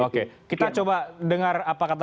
oke kita coba dengar apa kata